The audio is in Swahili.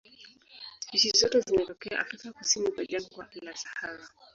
Spishi zote zinatokea Afrika kusini kwa jangwa la Sahara.